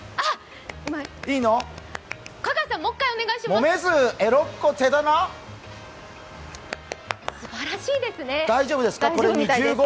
すばらしいですね。